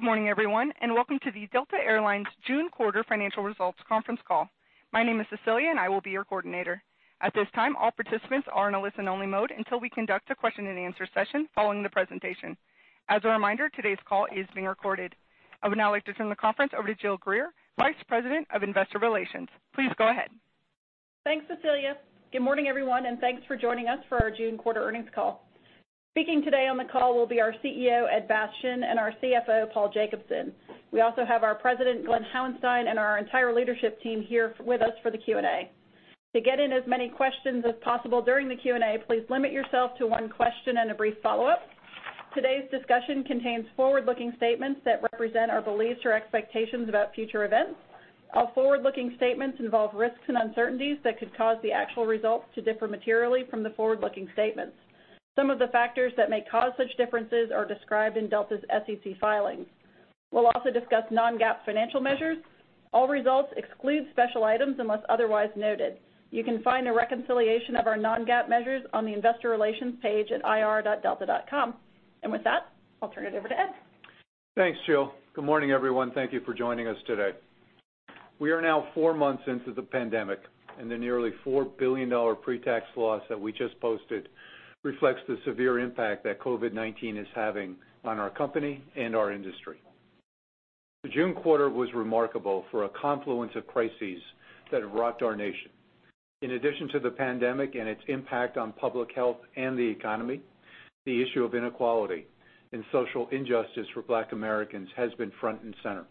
Good morning, everyone, and welcome to the Delta Air Lines June quarter financial results conference call. My name is Cecilia, and I will be your coordinator. At this time, all participants are in a listen-only mode until we conduct a question and answer session following the presentation. As a reminder, today's call is being recorded. I would now like to turn the conference over to Jill Greer, Vice President of Investor Relations. Please go ahead. Thanks, Cecilia. Good morning, everyone, and thanks for joining us for our June quarter earnings call. Speaking today on the call will be our CEO, Ed Bastian, and our CFO, Paul Jacobson. We also have our president, Glen Hauenstein, and our entire leadership team here with us for the Q&A. To get in as many questions as possible during the Q&A, please limit yourself to one question and a brief follow-up. Today's discussion contains forward-looking statements that represent our beliefs or expectations about future events. All forward-looking statements involve risks and uncertainties that could cause the actual results to differ materially from the forward-looking statements. Some of the factors that may cause such differences are described in Delta's SEC filings. We'll also discuss non-GAAP financial measures. All results exclude special items unless otherwise noted. You can find a reconciliation of our non-GAAP measures on the investor relations page at ir.delta.com. With that, I'll turn it over to Ed. Thanks, Jill. Good morning, everyone. Thank you for joining us today. We are now four months into the pandemic, and the nearly $4 billion pre-tax loss that we just posted reflects the severe impact that COVID-19 is having on our company and our industry. The June quarter was remarkable for a confluence of crises that have rocked our nation. In addition to the pandemic and its impact on public health and the economy, the issue of inequality and social injustice for Black Americans has been front and center.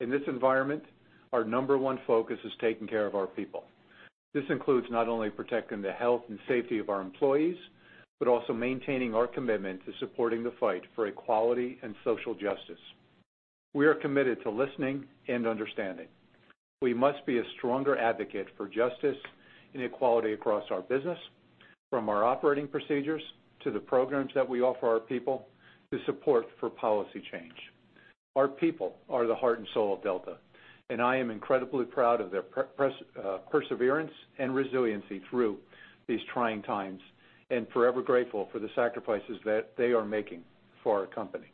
In this environment, our number one focus is taking care of our people. This includes not only protecting the health and safety of our employees, but also maintaining our commitment to supporting the fight for equality and social justice. We are committed to listening and understanding. We must be a stronger advocate for justice and equality across our business, from our operating procedures to the programs that we offer our people, to support for policy change. Our people are the heart and soul of Delta, and I am incredibly proud of their perseverance and resiliency through these trying times, and forever grateful for the sacrifices that they are making for our company.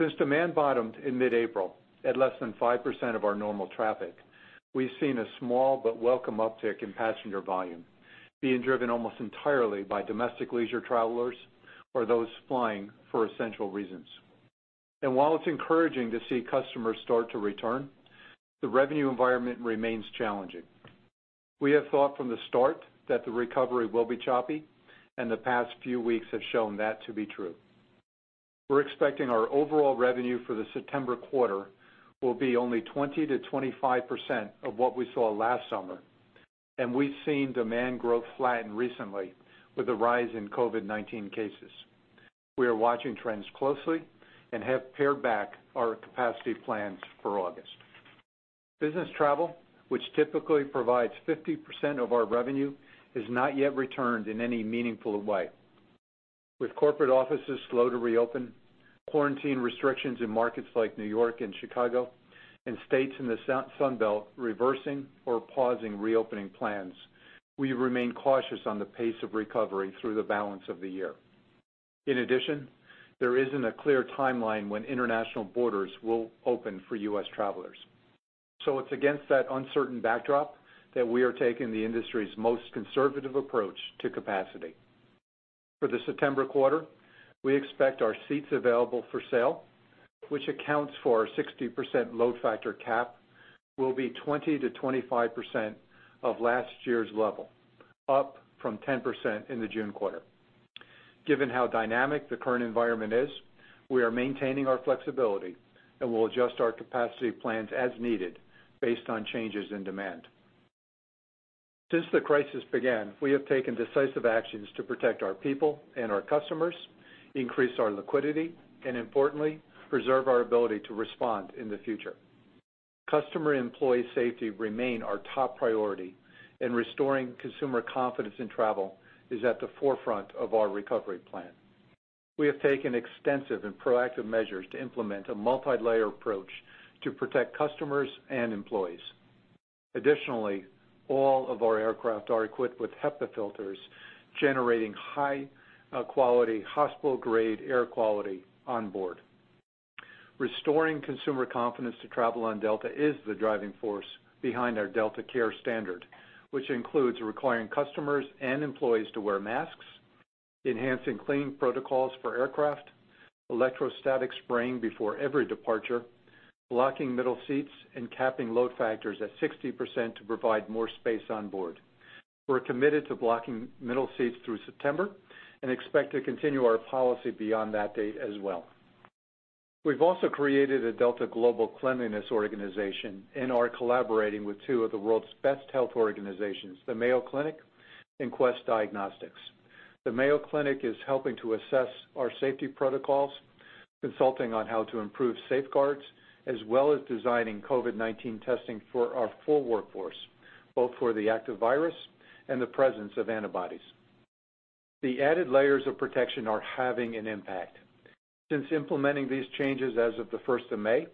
Since demand bottomed in mid-April at less than 5% of our normal traffic, we've seen a small but welcome uptick in passenger volume, being driven almost entirely by domestic leisure travelers or those flying for essential reasons. While it's encouraging to see customers start to return, the revenue environment remains challenging. We have thought from the start that the recovery will be choppy, and the past few weeks have shown that to be true. We're expecting our overall revenue for the September quarter will be only 20% to 25% of what we saw last summer, and we've seen demand growth flatten recently with the rise in COVID-19 cases. We are watching trends closely and have pared back our capacity plans for August. Business travel, which typically provides 50% of our revenue, has not yet returned in any meaningful way. With corporate offices slow to reopen, quarantine restrictions in markets like New York and Chicago, and states in the Sun Belt reversing or pausing reopening plans, we remain cautious on the pace of recovery through the balance of the year. In addition, there isn't a clear timeline when international borders will open for U.S. travelers. It's against that uncertain backdrop that we are taking the industry's most conservative approach to capacity. For the September quarter, we expect our seats available for sale, which accounts for our 60% load factor cap, will be 20%-25% of last year's level, up from 10% in the June quarter. Given how dynamic the current environment is, we are maintaining our flexibility and will adjust our capacity plans as needed based on changes in demand. Since the crisis began, we have taken decisive actions to protect our people and our customers, increase our liquidity, and importantly, preserve our ability to respond in the future. Customer and employee safety remain our top priority, and restoring consumer confidence in travel is at the forefront of our recovery plan. We have taken extensive and proactive measures to implement a multilayer approach to protect customers and employees. Additionally, all of our aircraft are equipped with HEPA filters, generating high-quality, hospital-grade air quality on board. Restoring consumer confidence to travel on Delta is the driving force behind our Delta CareStandard, which includes requiring customers and employees to wear masks, enhancing cleaning protocols for aircraft, electrostatic spraying before every departure, blocking middle seats, and capping load factors at 60% to provide more space on board. We're committed to blocking middle seats through September and expect to continue our policy beyond that date as well. We've also created a Delta Global Cleanliness organization and are collaborating with two of the world's best health organizations, the Mayo Clinic and Quest Diagnostics. The Mayo Clinic is helping to assess our safety protocols, consulting on how to improve safeguards, as well as designing COVID-19 testing for our full workforce, both for the active virus and the presence of antibodies. The added layers of protection are having an impact. Since implementing these changes as of the 1st of May.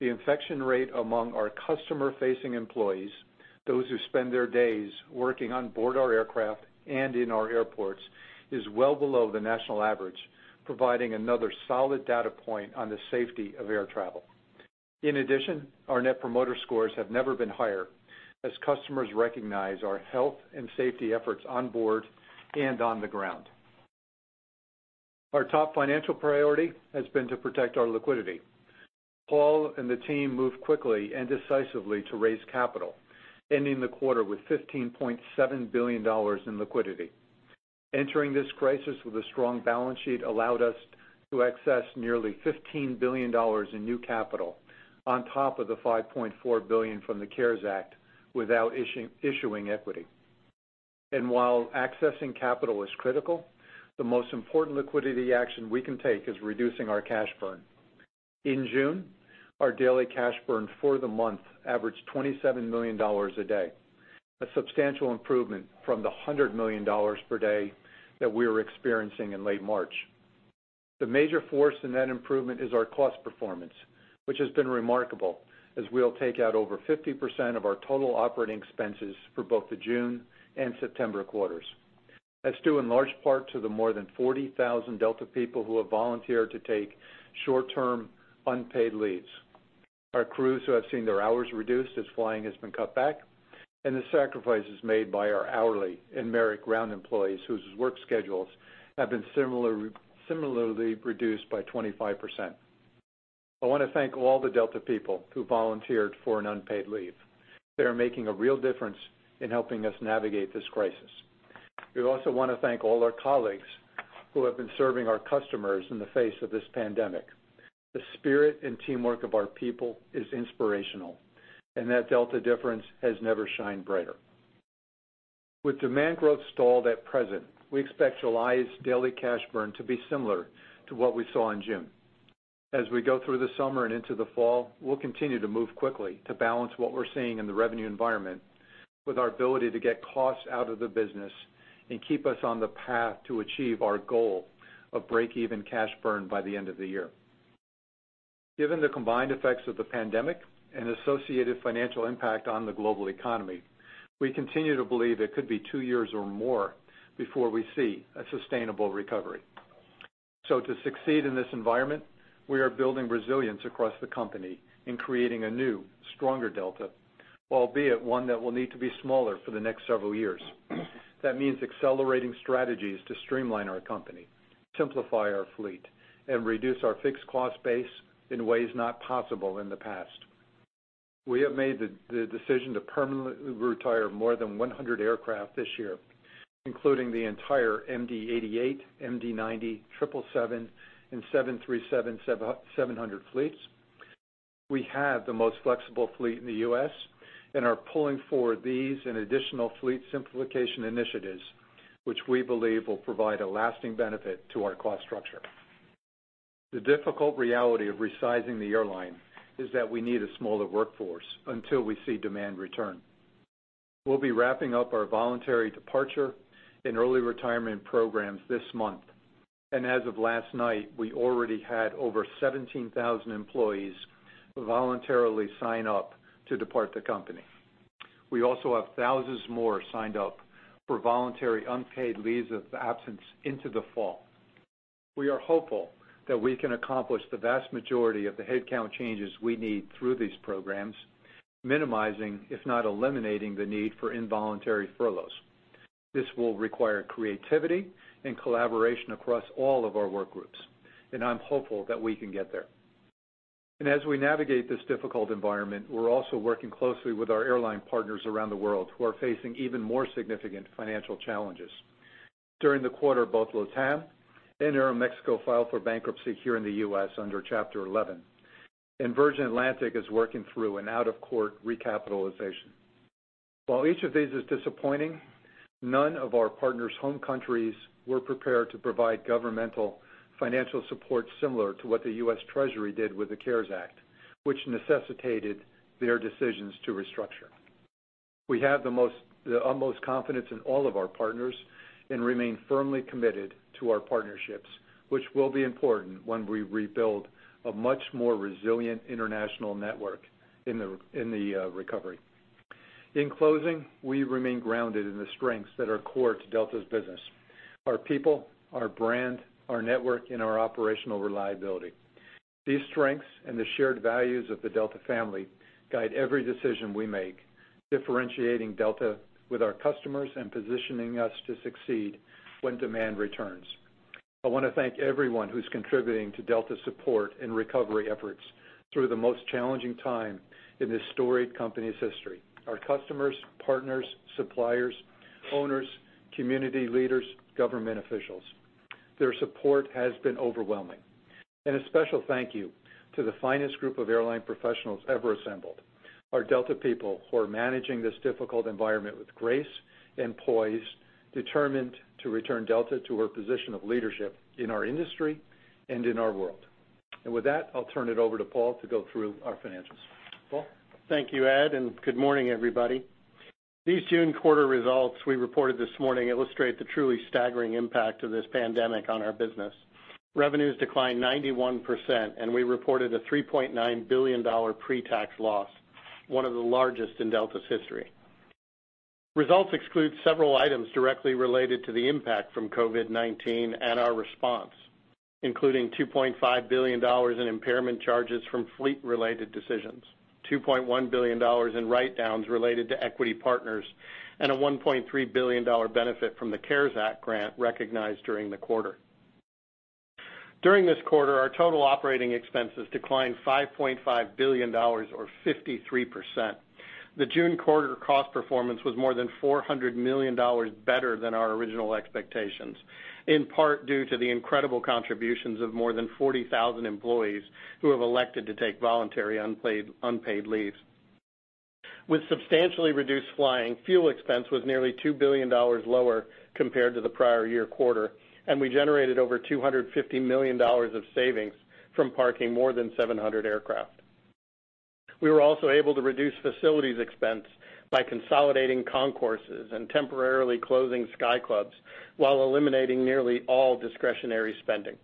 The infection rate among our customer-facing employees, those who spend their days working on board our aircraft and in our airports, is well below the national average, providing another solid data point on the safety of air travel. In addition, our Net Promoter Scores have never been higher as customers recognize our health and safety efforts on board and on the ground. Our top financial priority has been to protect our liquidity. Paul and the team moved quickly and decisively to raise capital, ending the quarter with $15.7 billion in liquidity. Entering this crisis with a strong balance sheet allowed us to access nearly $15 billion in new capital on top of the $5.4 billion from the CARES Act without issuing equity. While accessing capital is critical, the most important liquidity action we can take is reducing our cash burn. In June, our daily cash burn for the month averaged $27 million a day, a substantial improvement from the $100 million per day that we were experiencing in late March. The major force in that improvement is our cost performance, which has been remarkable, as we'll take out over 50% of our total operating expenses for both the June and September quarters. That's due in large part to the more than 40,000 Delta people who have volunteered to take short-term unpaid leaves, our crews who have seen their hours reduced as flying has been cut back, and the sacrifices made by our hourly and merit ground employees whose work schedules have been similarly reduced by 25%. I want to thank all the Delta people who volunteered for an unpaid leave. They are making a real difference in helping us navigate this crisis. We also want to thank all our colleagues who have been serving our customers in the face of this pandemic. The spirit and teamwork of our people is inspirational, and that Delta Difference has never shined brighter. With demand growth stalled at present, we expect July's daily cash burn to be similar to what we saw in June. As we go through the summer and into the fall, we'll continue to move quickly to balance what we're seeing in the revenue environment with our ability to get costs out of the business and keep us on the path to achieve our goal of breakeven cash burn by the end of the year. Given the combined effects of the pandemic and associated financial impact on the global economy, we continue to believe it could be two years or more before we see a sustainable recovery. To succeed in this environment, we are building resilience across the company in creating a new, stronger Delta, albeit one that will need to be smaller for the next several years. That means accelerating strategies to streamline our company, simplify our fleet, and reduce our fixed cost base in ways not possible in the past. We have made the decision to permanently retire more than 100 aircraft this year, including the entire MD-88, MD-90, 777, and 737-700 fleets. We have the most flexible fleet in the U.S. and are pulling forward these and additional fleet simplification initiatives, which we believe will provide a lasting benefit to our cost structure. The difficult reality of resizing the airline is that we need a smaller workforce until we see demand return. We'll be wrapping up our voluntary departure and early retirement programs this month. As of last night, we already had over 17,000 employees voluntarily sign up to depart the company. We also have thousands more signed up for voluntary unpaid leaves of absence into the fall. We are hopeful that we can accomplish the vast majority of the headcount changes we need through these programs, minimizing, if not eliminating, the need for involuntary furloughs. This will require creativity and collaboration across all of our work groups, and I'm hopeful that we can get there. As we navigate this difficult environment, we're also working closely with our airline partners around the world who are facing even more significant financial challenges. During the quarter, both LATAM and Aeroméxico filed for bankruptcy here in the U.S. under Chapter 11, and Virgin Atlantic is working through an out-of-court recapitalization. While each of these is disappointing, none of our partners' home countries were prepared to provide governmental financial support similar to what the U.S. Treasury did with the CARES Act, which necessitated their decisions to restructure. We have the utmost confidence in all of our partners and remain firmly committed to our partnerships, which will be important when we rebuild a much more resilient international network in the recovery. In closing, we remain grounded in the strengths that are core to Delta's business: our people, our brand, our network, and our operational reliability. These strengths and the shared values of the Delta family guide every decision we make, differentiating Delta with our customers and positioning us to succeed when demand returns. I want to thank everyone who's contributing to Delta's support and recovery efforts through the most challenging time in this storied company's history. Our customers, partners, suppliers, owners, community leaders, government officials. Their support has been overwhelming. A special thank you to the finest group of airline professionals ever assembled, our Delta people, who are managing this difficult environment with grace and poise, determined to return Delta to her position of leadership in our industry and in our world. With that, I'll turn it over to Paul to go through our finances. Thank you, Ed, good morning, everybody. These June quarter results we reported this morning illustrate the truly staggering impact of this pandemic on our business. Revenues declined 91%. We reported a $3.9 billion pre-tax loss, one of the largest in Delta's history. Results exclude several items directly related to the impact from COVID-19 and our response, including $2.5 billion in impairment charges from fleet-related decisions, $2.1 billion in write-downs related to equity partners, and a $1.3 billion benefit from the CARES Act grant recognized during the quarter. During this quarter, our total operating expenses declined $5.5 billion or 53%. The June quarter cost performance was more than $400 million better than our original expectations, in part due to the incredible contributions of more than 40,000 employees who have elected to take voluntary unpaid leave. With substantially reduced flying, fuel expense was nearly $2 billion lower compared to the prior year quarter, and we generated over $250 million of savings from parking more than 700 aircraft. We were also able to reduce facilities expense by consolidating concourses and temporarily closing Delta Sky Club while eliminating nearly all discretionary spending.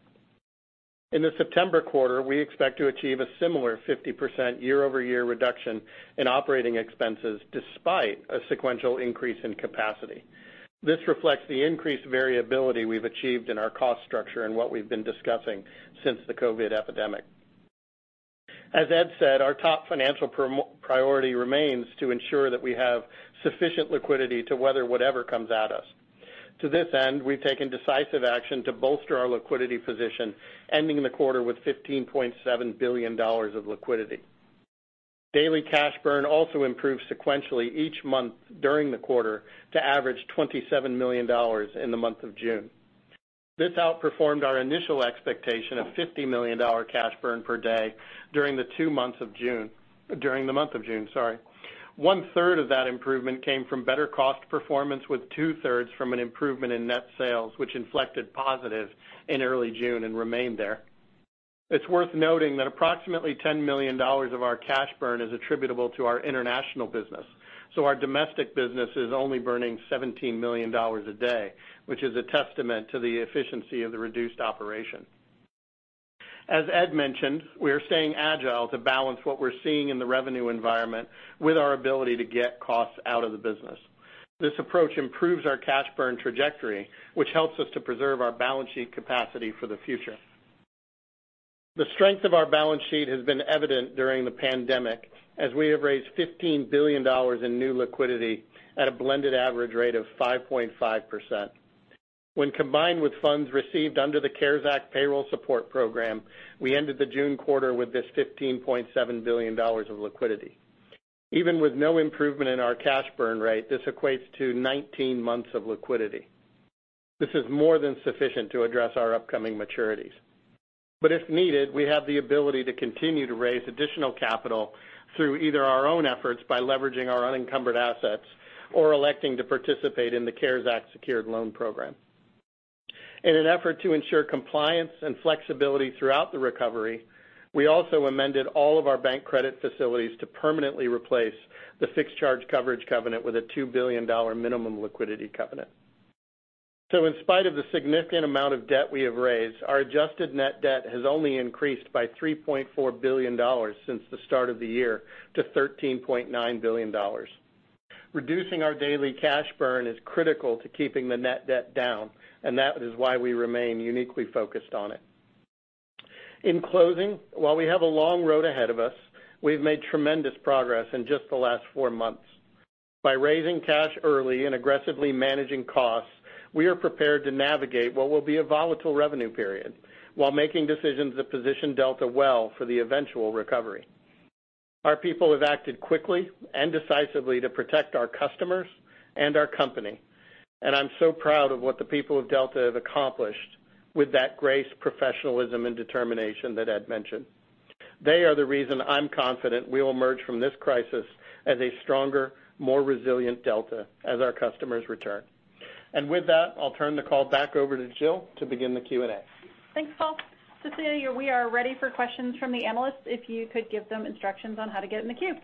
In the September quarter, we expect to achieve a similar 50% year-over-year reduction in operating expenses, despite a sequential increase in capacity. This reflects the increased variability we've achieved in our cost structure and what we've been discussing since the COVID-19. As Ed said, our top financial priority remains to ensure that we have sufficient liquidity to weather whatever comes at us. To this end, we've taken decisive action to bolster our liquidity position, ending the quarter with $15.7 billion of liquidity. Daily cash burn also improved sequentially each month during the quarter to average $27 million in the month of June. This outperformed our initial expectation of $50 million cash burn per day during the month of June. One-third of that improvement came from better cost performance with 2/3 from an improvement in net sales, which inflected positive in early June and remained there. It's worth noting that approximately $10 million of our cash burn is attributable to our international business. Our domestic business is only burning $17 million a day, which is a testament to the efficiency of the reduced operation. As Ed mentioned, we are staying agile to balance what we're seeing in the revenue environment with our ability to get costs out of the business. This approach improves our cash burn trajectory, which helps us to preserve our balance sheet capacity for the future. The strength of our balance sheet has been evident during the pandemic, as we have raised $15 billion in new liquidity at a blended average rate of 5.5%. When combined with funds received under the CARES Act Payroll Support Program, we ended the June quarter with this $15.7 billion of liquidity. Even with no improvement in our cash burn rate, this equates to 19 months of liquidity. This is more than sufficient to address our upcoming maturities. If needed, we have the ability to continue to raise additional capital through either our own efforts by leveraging our unencumbered assets or electing to participate in the CARES Act Secured Loan Program. In an effort to ensure compliance and flexibility throughout the recovery, we also amended all of our bank credit facilities to permanently replace the fixed charge coverage covenant with a $2 billion minimum liquidity covenant. In spite of the significant amount of debt we have raised, our adjusted net debt has only increased by $3.4 billion since the start of the year to $13.9 billion. Reducing our daily cash burn is critical to keeping the net debt down. That is why we remain uniquely focused on it. In closing, while we have a long road ahead of us, we've made tremendous progress in just the last four months. By raising cash early and aggressively managing costs, we are prepared to navigate what will be a volatile revenue period while making decisions that position Delta well for the eventual recovery. Our people have acted quickly and decisively to protect our customers and our company. I'm so proud of what the people of Delta have accomplished with that grace, professionalism, and determination that Ed mentioned. They are the reason I'm confident we will emerge from this crisis as a stronger, more resilient Delta as our customers return. With that, I'll turn the call back over to Jill to begin the Q&A. Thanks, Paul. Cecilia, we are ready for questions from the analysts, if you could give them instructions on how to get in the queue.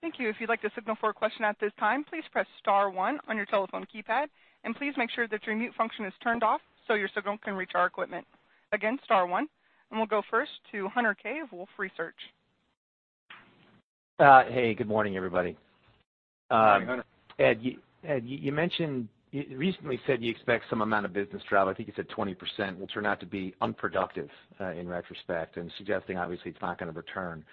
Thank you. If you'd like to signal for a question at this time, please press star one on your telephone keypad, and please make sure that your mute function is turned off so your signal can reach our equipment. Again, star one, and we'll go first to Hunter Keay of Wolfe Research. Hey, good morning, everybody. Good morning. Ed, you recently said you expect some amount of business travel, I think you said 20%, will turn out to be unproductive in retrospect and suggesting obviously it's not going to return.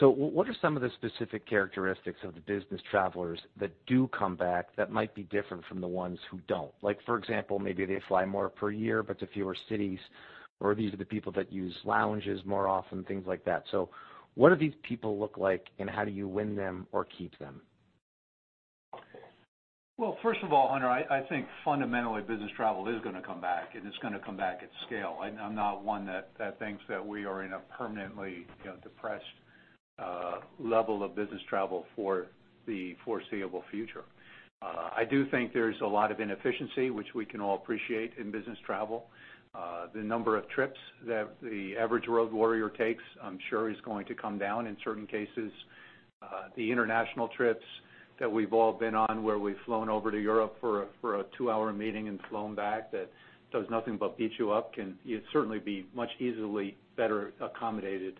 What are some of the specific characteristics of the business travelers that do come back that might be different from the ones who don't? For example, maybe they fly more per year but to fewer cities, or these are the people that use lounges more often, things like that. What do these people look like, and how do you win them or keep them? Well, first of all, Hunter, I think fundamentally, business travel is going to come back. It's going to come back at scale. I'm not one that thinks that we are in a permanently depressed level of business travel for the foreseeable future. I do think there's a lot of inefficiency, which we can all appreciate in business travel. The number of trips that the average road warrior takes, I'm sure, is going to come down in certain cases. The international trips that we've all been on where we've flown over to Europe for a two-hour meeting and flown back, that does nothing but beat you up, can certainly be much easily better accommodated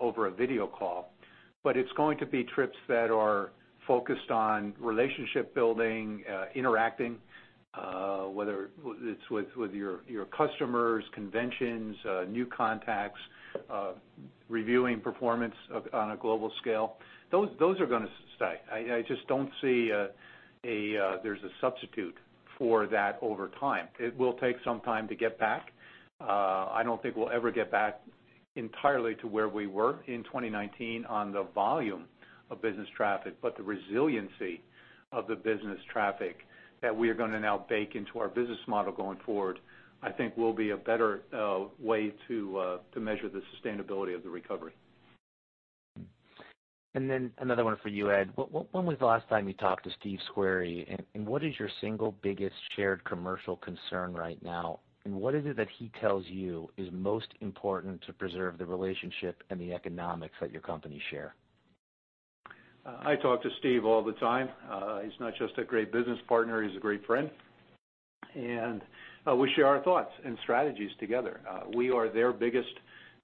over a video call. It's going to be trips that are focused on relationship building, interacting, whether it's with your customers, conventions, new contacts, reviewing performance on a global scale. Those are going to stay. I just don't see there's a substitute for that over time. It will take some time to get back. I don't think we'll ever get back entirely to where we were in 2019 on the volume of business traffic, but the resiliency of the business traffic that we are going to now bake into our business model going forward, I think will be a better way to measure the sustainability of the recovery. Another one for you, Ed. When was the last time you talked to Steve Squeri? What is your single biggest shared commercial concern right now? What is it that he tells you is most important to preserve the relationship and the economics that your companies share? I talk to Steve all the time. He's not just a great business partner, he's a great friend. We share our thoughts and strategies together. We are their biggest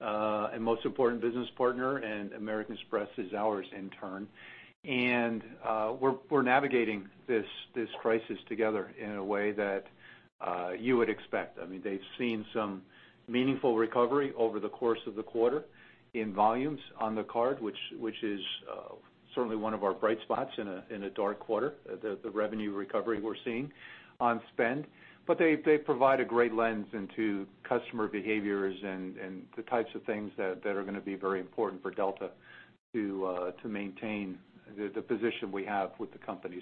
and most important business partner, and American Express is ours in turn. We're navigating this crisis together in a way that you would expect. They've seen some meaningful recovery over the course of the quarter in volumes on the card, which is certainly one of our bright spots in a dark quarter, the revenue recovery we're seeing on spend. They provide a great lens into customer behaviors and the types of things that are going to be very important for Delta to maintain the position we have with the company.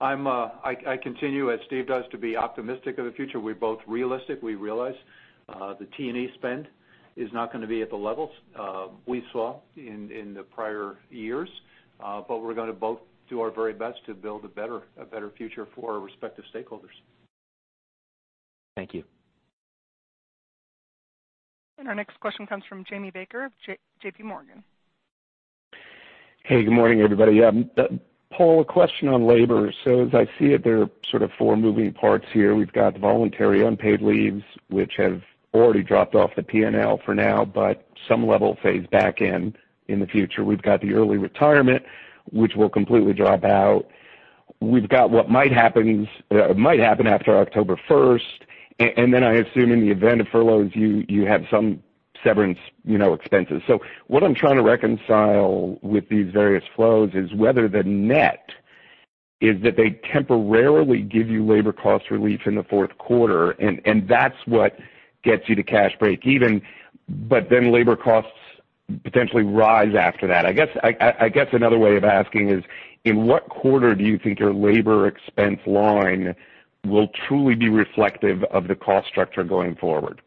I continue, as Steve does, to be optimistic of the future. We're both realistic. We realize the T&E spend is not going to be at the levels we saw in the prior years. We're going to both do our very best to build a better future for our respective stakeholders. Thank you. Our next question comes from Jamie Baker, J.P. Morgan. Hey, good morning, everybody. Paul, a question on labor. As I see it, there are sort of four moving parts here. We've got voluntary unpaid leaves, which have already dropped off the P&L for now, but some level phase back in the future. We've got the early retirement, which will completely drop out. We've got what might happen after October 1st. Then I assume in the event of furloughs, you have some severance expenses. What I'm trying to reconcile with these various flows is whether the net is that they temporarily give you labor cost relief in the fourth quarter, and that's what gets you to cash break even. Then labor costs potentially rise after that. I guess another way of asking is, in what quarter do you think your labor expense line will truly be reflective of the cost structure going forward?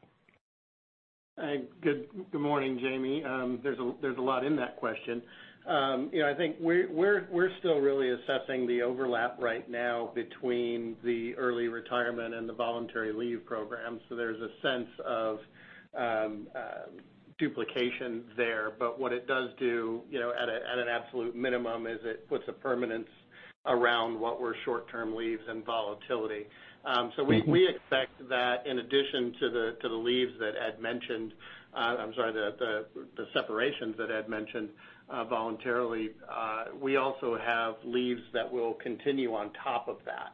Good morning, Jamie. There's a lot in that question. I think we're still really assessing the overlap right now between the early retirement and the voluntary leave program. There's a sense of duplication there. What it does do, at an absolute minimum, is it puts a permanence around what were short-term leaves and volatility. We expect that in addition to the separations that Ed mentioned voluntarily, we also have leaves that will continue on top of that.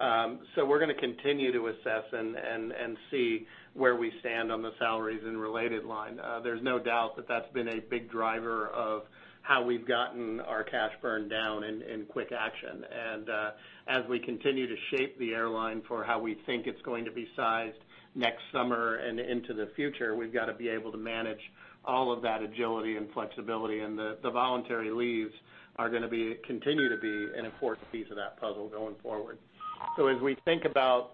We're going to continue to assess and see where we stand on the salaries and related line. There's no doubt that that's been a big driver of how we've gotten our cash burn down in quick action. As we continue to shape the airline for how we think it's going to be sized next summer and into the future, we've got to be able to manage all of that agility and flexibility. The voluntary leaves are going to continue to be an important piece of that puzzle going forward. As we think about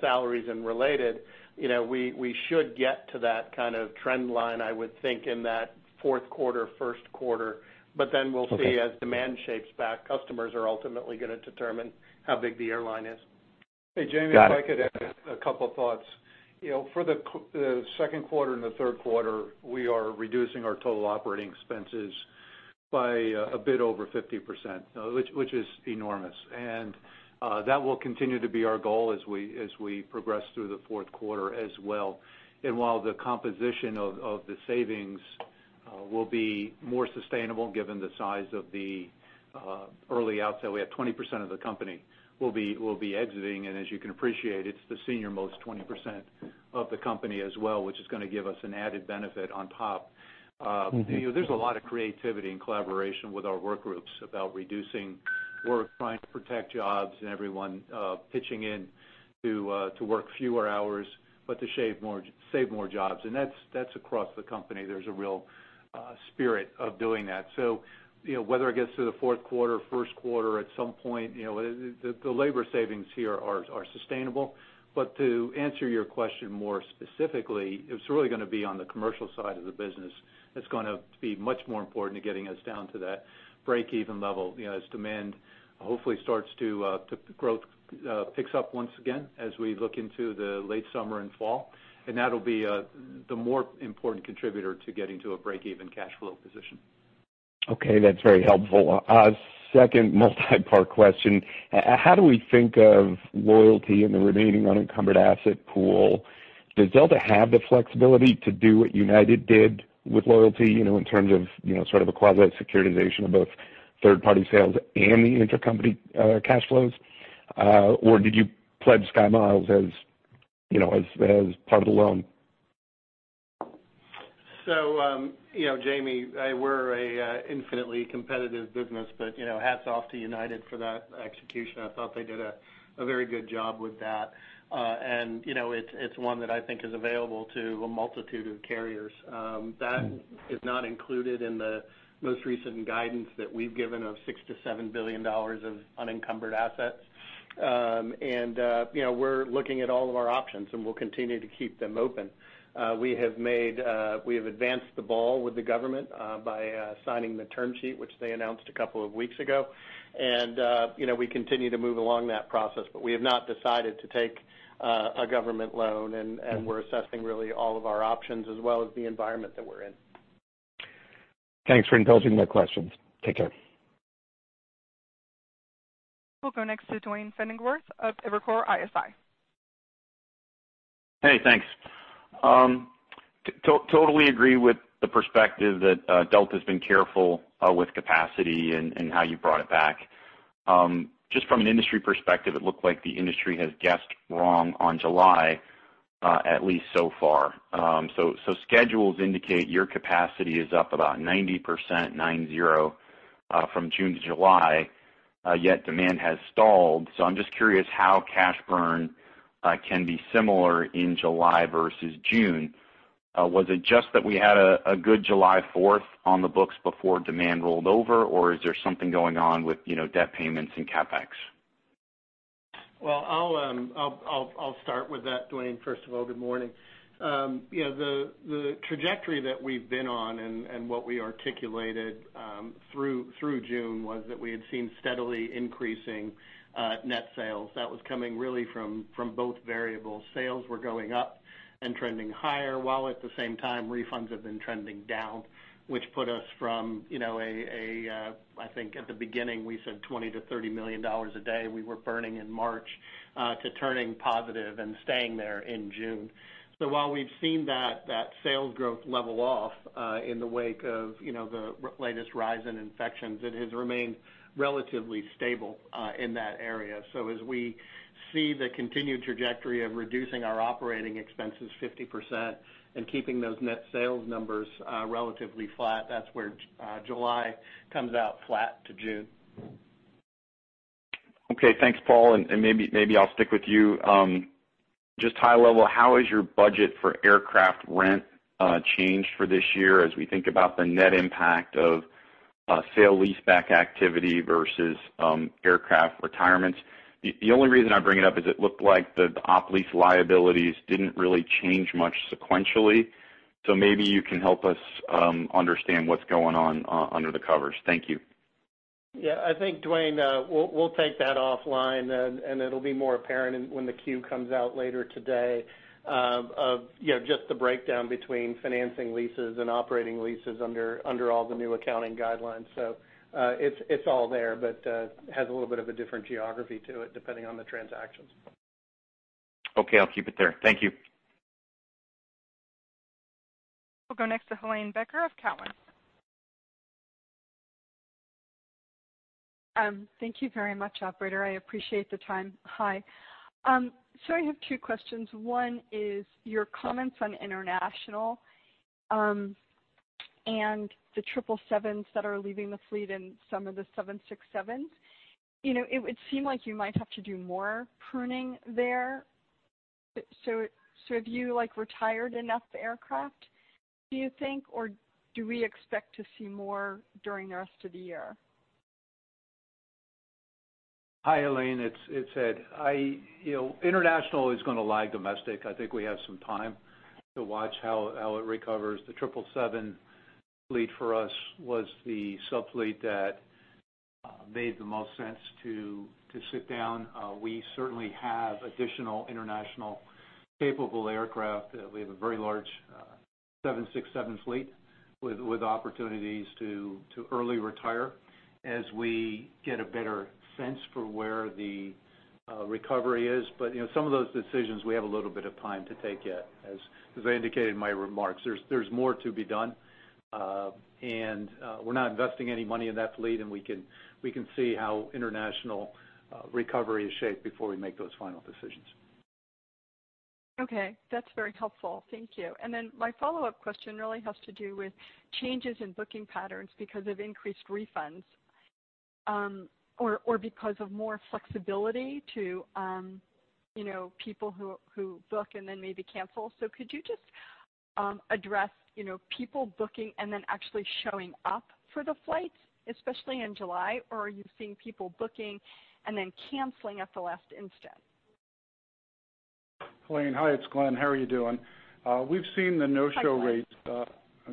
salaries and related, we should get to that kind of trend line, I would think, in that fourth quarter, first quarter. We'll see as demand shapes back, customers are ultimately going to determine how big the airline is. Hey, Jamie, if I could add a couple of thoughts. For the second quarter and the third quarter, we are reducing our total operating expenses by a bit over 50%, which is enormous. That will continue to be our goal as we progress through the fourth quarter as well. While the composition of the savings will be more sustainable given the size of the early outs that we have, 20% of the company will be exiting. As you can appreciate, it's the senior-most 20% of the company as well, which is going to give us an added benefit on top. There's a lot of creativity and collaboration with our work groups about reducing work, trying to protect jobs, and everyone pitching in to work fewer hours, but to save more jobs. That's across the company. There's a real spirit of doing that. Whether it gets to the fourth quarter, first quarter at some point, the labor savings here are sustainable. To answer your question more specifically, it's really going to be on the commercial side of the business that's going to be much more important to getting us down to that breakeven level as demand. Hopefully growth picks up once again as we look into the late summer and fall. That'll be the more important contributor to getting to a break-even cash flow position. Okay, that's very helpful. A second multi-part question. How do we think of loyalty in the remaining unencumbered asset pool? Does Delta have the flexibility to do what United did with loyalty, in terms of sort of a quasi-securitization of both third-party sales and the intercompany cash flows? Did you pledge SkyMiles as part of the loan? Jamie, we're an infinitely competitive business, but hats off to United for that execution. I thought they did a very good job with that. It's one that I think is available to a multitude of carriers. That is not included in the most recent guidance that we've given of $6 billion-$7 billion of unencumbered assets. We're looking at all of our options, and we'll continue to keep them open. We have advanced the ball with the government by signing the term sheet, which they announced a couple of weeks ago. We continue to move along that process, but we have not decided to take a government loan, and we're assessing really all of our options as well as the environment that we're in. Thanks for indulging my questions. Take care. We'll go next to Duane Pfennigwerth of Evercore ISI. Hey, thanks. Totally agree with the perspective that Delta's been careful with capacity and how you brought it back. Just from an industry perspective, it looked like the industry has guessed wrong on July, at least so far. Schedules indicate your capacity is up about 90% from June to July, yet demand has stalled. I'm just curious how cash burn can be similar in July versus June. Was it just that we had a good Fourth of July on the books before demand rolled over, or is there something going on with debt payments and CapEx? Well, I'll start with that, Duane. First of all, good morning. The trajectory that we've been on and what we articulated through June was that we had seen steadily increasing net sales. That was coming really from both variables. Sales were going up and trending higher, while at the same time refunds have been trending down, which put us from, I think at the beginning, we said $20 million to $30 million a day, we were burning in March, to turning positive and staying there in June. While we've seen that sales growth level off in the wake of the latest rise in infections, it has remained relatively stable in that area. As we see the continued trajectory of reducing our operating expenses 50% and keeping those net sales numbers relatively flat, that's where July comes out flat to June. Okay. Thanks, Paul, and maybe I'll stick with you. Just high level, how has your budget for aircraft rent changed for this year as we think about the net impact of sale leaseback activity versus aircraft retirements? The only reason I bring it up is it looked like the op lease liabilities didn't really change much sequentially. Maybe you can help us understand what's going on under the covers. Thank you. Yeah, I think, Duane, we'll take that offline. It'll be more apparent when the Q comes out later today of just the breakdown between financing leases and operating leases under all the new accounting guidelines. It's all there, but has a little bit of a different geography to it depending on the transactions. Okay, I'll keep it there. Thank you. We'll go next to Helane Becker of Cowen. Thank you very much, operator. I appreciate the time. Hi. I have two questions. One is your comments on international, and the 777s that are leaving the fleet and some of the 767s. It would seem like you might have to do more pruning there. Have you retired enough aircraft, do you think, or do we expect to see more during the rest of the year? Hi, Helane. It's Ed. International is going to lag domestic. I think we have some time to watch how it recovers. The 777 fleet for us was the subfleet that made the most sense to sit down. We certainly have additional international capable aircraft. We have a very large 767 fleet with opportunities to early retire as we get a better sense for where the recovery is. Some of those decisions, we have a little bit of time to take yet, as I indicated in my remarks. There's more to be done. We're not investing any money in that fleet, and we can see how international recovery is shaped before we make those final decisions. Okay. That's very helpful. Thank you. My follow-up question really has to do with changes in booking patterns because of increased refunds, or because of more flexibility to people who book and then maybe cancel. Could you just address people booking and then actually showing up for the flights, especially in July? Are you seeing people booking and then canceling at the last instant? Helane, hi, it's Glen. How are you doing? We've seen the no-show rates- Hi, Glen.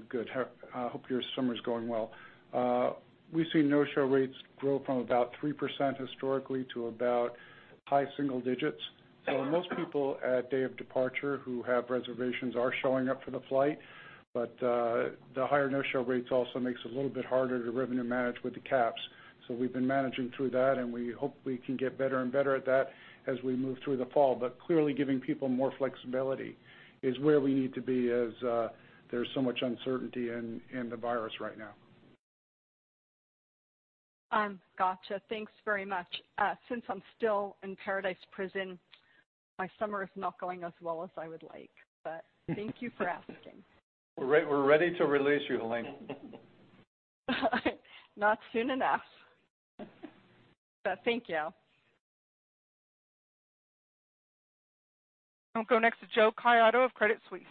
Good. Hope your summer's going well. We've seen no-show rates grow from about 3% historically to about high single digits. Most people at day of departure who have reservations are showing up for the flight, but the higher no-show rates also makes it a little bit harder to revenue manage with the caps. We've been managing through that, and we hope we can get better and better at that as we move through the fall. Clearly giving people more flexibility is where we need to be as there's so much uncertainty in the virus right now. Got you. Thanks very much. Since I'm still in paradise prison, my summer is not going as well as I would like. Thank you for asking. We're ready to release you, Helane. Not soon enough. Thank you. I'll go next to Joe Caiado of Credit Suisse.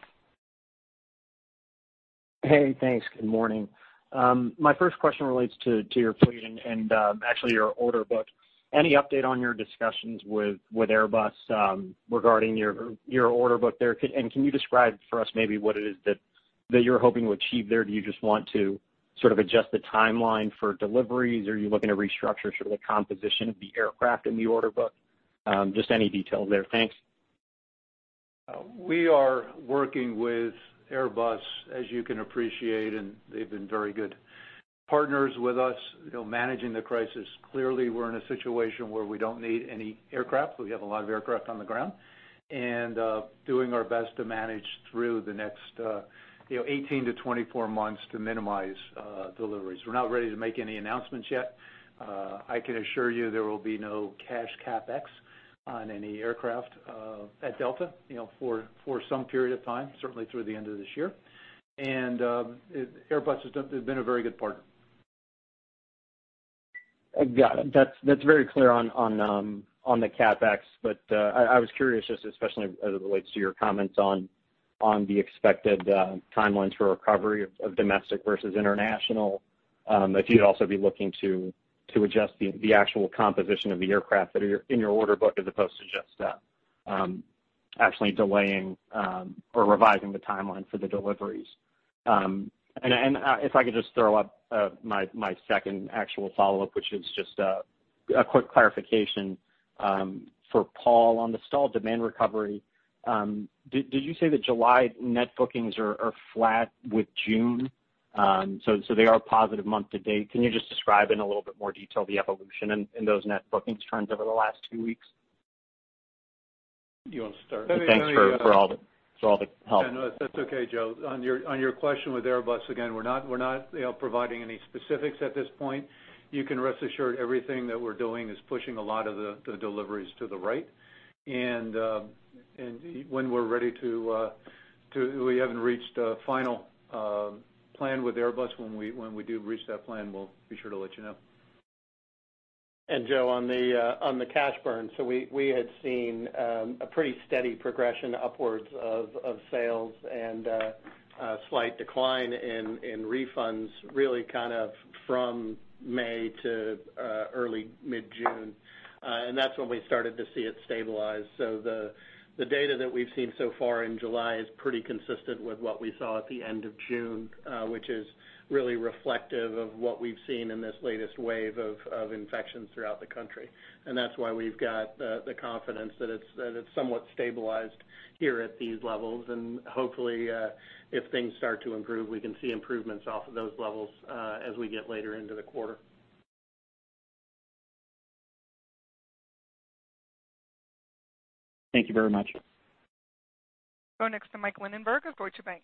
Hey, thanks. Good morning. My first question relates to your fleet and actually your order book. Any update on your discussions with Airbus regarding your order book there? Can you describe for us maybe what it is that you're hoping to achieve there? Do you just want to sort of adjust the timeline for deliveries? Are you looking to restructure sort of the composition of the aircraft in the order book? Just any details there. Thanks. We are working with Airbus, as you can appreciate. They've been very good partners with us, managing the crisis. Clearly, we're in a situation where we don't need any aircraft. We have a lot of aircraft on the ground, doing our best to manage through the next 18 to 24 months to minimize deliveries. We're not ready to make any announcements yet. I can assure you there will be no cash CapEx on any aircraft at Delta for some period of time, certainly through the end of this year. Airbus has been a very good partner. Got it. That's very clear on the CapEx. I was curious just especially as it relates to your comments on the expected timelines for recovery of domestic versus international, if you'd also be looking to adjust the actual composition of the aircraft that are in your order book as opposed to just actually delaying or revising the timeline for the deliveries. If I could just throw up my second actual follow-up, which is just a quick clarification for Paul on the stalled demand recovery. Did you say that July net bookings are flat with June? They are a positive month to date. Can you just describe in a little bit more detail the evolution in those net bookings trends over the last two weeks? You want to start? Let me- Thanks for all the help. No, that's okay, Joe. On your question with Airbus, again, we're not providing any specifics at this point. You can rest assured everything that we're doing is pushing a lot of the deliveries to the right. When we're ready to, we haven't reached a final plan with Airbus. When we do reach that plan, we'll be sure to let you know. Joe, on the cash burn, we had seen a pretty steady progression upwards of sales and a slight decline in refunds really from May to early mid-June. That's when we started to see it stabilize. The data that we've seen so far in July is pretty consistent with what we saw at the end of June, which is really reflective of what we've seen in this latest wave of infections throughout the country. That's why we've got the confidence that it's somewhat stabilized here at these levels, and hopefully, if things start to improve, we can see improvements off of those levels as we get later into the quarter. Thank you very much. Go next to Michael Linenberg of Deutsche Bank.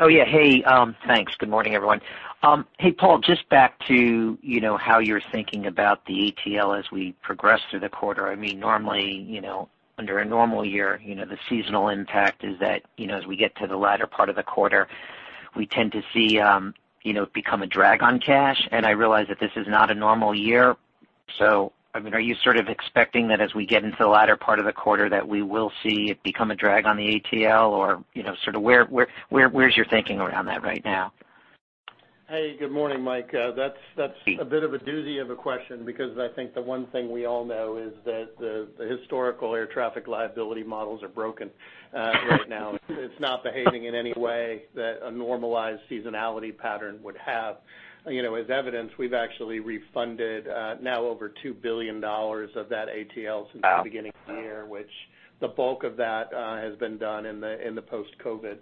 Oh, yeah. Hey, thanks. Good morning, everyone. Hey, Paul, just back to how you're thinking about the ATL as we progress through the quarter. Normally, under a normal year, the seasonal impact is that as we get to the latter part of the quarter, we tend to see it become a drag on cash, and I realize that this is not a normal year. Are you sort of expecting that as we get into the latter part of the quarter, that we will see it become a drag on the ATL, or where's your thinking around that right now? Hey, good morning, Mike. That's a bit of a doozy of a question because I think the one thing we all know is that the historical air traffic liability models are broken right now. It's not behaving in any way that a normalized seasonality pattern would have. As evidence, we've actually refunded now over $2 billion of that ATL since the beginning of the year, which the bulk of that has been done in the post-COVID,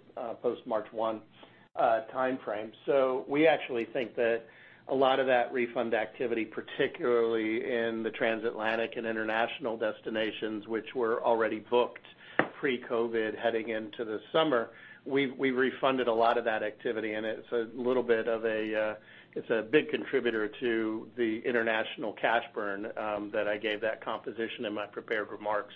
post-March 1 timeframe. We actually think that a lot of that refund activity, particularly in the transatlantic and international destinations, which were already booked pre-COVID heading into the summer, we refunded a lot of that activity, and it's a big contributor to the international cash burn that I gave that composition in my prepared remarks.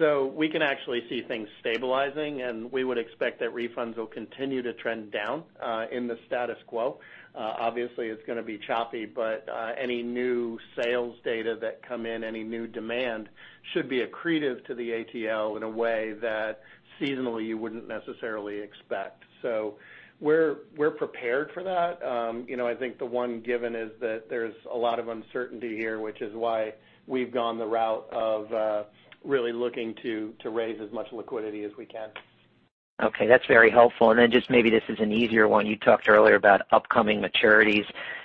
We can actually see things stabilizing, and we would expect that refunds will continue to trend down in the status quo. Obviously, it's going to be choppy, but any new sales data that come in, any new demand should be accretive to the ATL in a way that seasonally you wouldn't necessarily expect. We're prepared for that. I think the one given is that there's a lot of uncertainty here, which is why we've gone the route of really looking to raise as much liquidity as we can. Okay, that's very helpful. Just maybe this is an easier one. You talked earlier about upcoming maturities,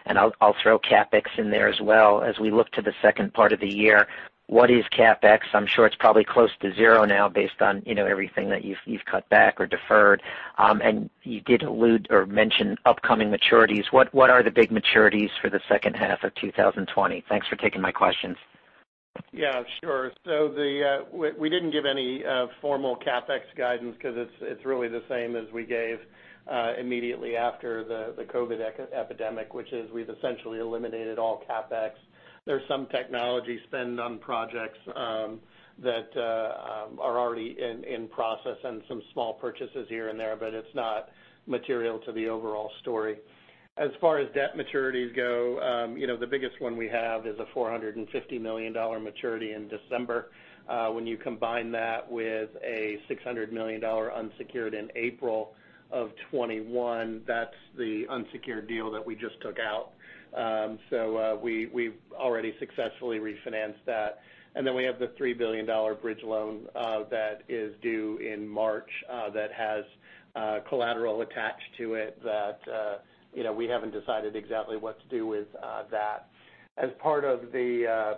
I'll throw CapEx in there as well as we look to the second part of the year. What is CapEx? I'm sure it's probably close to zero now based on everything that you've cut back or deferred. You did allude or mention upcoming maturities. What are the big maturities for the second half of 2020? Thanks for taking my questions. Yeah, sure. We didn't give any formal CapEx guidance because it's really the same as we gave immediately after the COVID-19, which is we've essentially eliminated all CapEx. There's some technology spend on projects that are already in process and some small purchases here and there, but it's not material to the overall story. As far as debt maturities go, the biggest one we have is a $450 million maturity in December. When you combine that with a $600 million unsecured in April of 2021, that's the unsecured deal that we just took out. We've already successfully refinanced that. We have the $3 billion bridge loan that is due in March that has collateral attached to it that we haven't decided exactly what to do with that. As part of the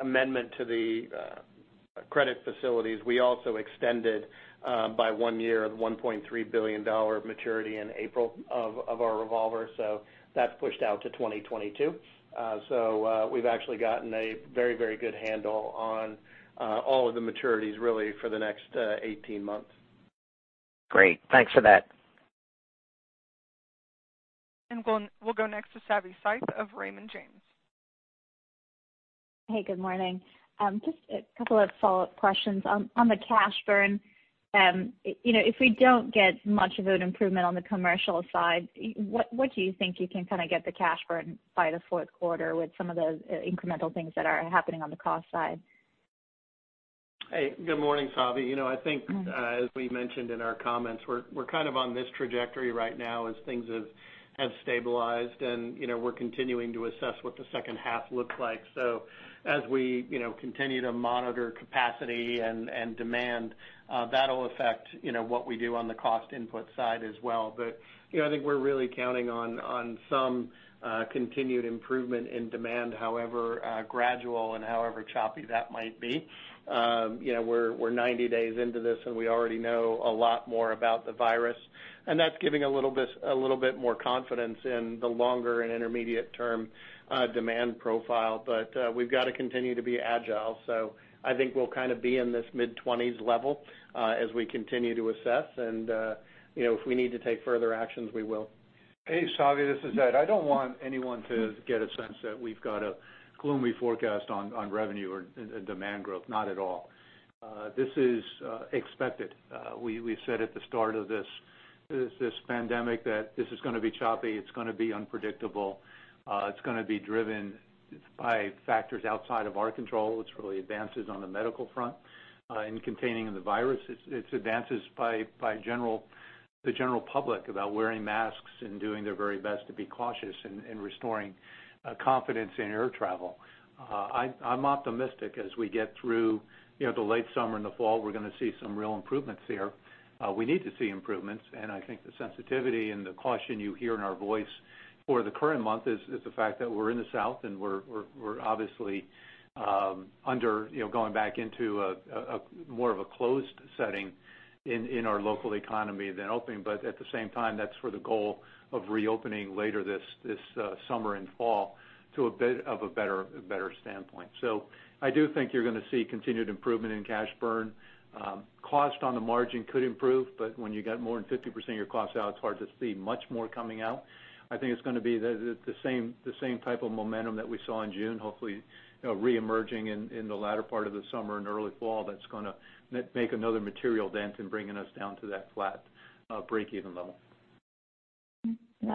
amendment to the credit facilities, we also extended by one year the $1.3 billion of maturity in April of our revolver. That's pushed out to 2022. We've actually gotten a very good handle on all of the maturities really for the next 18 months. Great. Thanks for that. We'll go next to Savanthi Syth of Raymond James. Hey, good morning. Just a couple of follow-up questions. On the cash burn, if we don't get much of an improvement on the commercial side, what do you think you can kind of get the cash burn by the fourth quarter with some of the incremental things that are happening on the cost side? Hey, good morning, Savi. I think, as we mentioned in our comments, we're kind of on this trajectory right now as things have stabilized, and we're continuing to assess what the second half looks like. As we continue to monitor capacity and demand, that'll affect what we do on the cost input side as well. I think we're really counting on some continued improvement in demand, however gradual and however choppy that might be. We're 90 days into this, and we already know a lot more about the virus, and that's giving a little bit more confidence in the longer and intermediate-term demand profile. We've got to continue to be agile. I think we'll kind of be in this mid-20s level as we continue to assess, and if we need to take further actions, we will. Hey, Savi, this is Ed. I don't want anyone to get a sense that we've got a gloomy forecast on revenue or demand growth. Not at all. This is expected. We said at the start of this pandemic that this is going to be choppy, it's going to be unpredictable. It's going to be driven by factors outside of our control. It's really advances on the medical front in containing the virus. It's advances by the general public about wearing masks and doing their very best to be cautious in restoring confidence in air travel. I'm optimistic as we get through the late summer and the fall, we're going to see some real improvements here. We need to see improvements. I think the sensitivity and the caution you hear in our voice for the current month is the fact that we're in the South and we're obviously going back into more of a closed setting in our local economy than opening. At the same time, that's for the goal of reopening later this summer and fall to a bit of a better standpoint. I do think you're going to see continued improvement in cash burn. Cost on the margin could improve. When you get more than 50% of your costs out, it's hard to see much more coming out. I think it's going to be the same type of momentum that we saw in June, hopefully reemerging in the latter part of the summer and early fall that's going to make another material dent in bringing us down to that flat breakeven level.